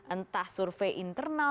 entah survei internal